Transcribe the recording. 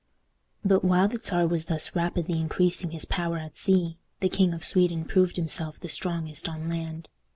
But, while the Czar was thus rapidly increasing his power at sea, the King of Sweden proved himself the strongest on land.